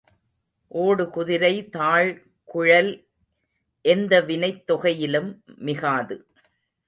ஓடு குதிரை, தாழ்குழல் எந்த வினைத் தொகையிலும் மிகாது.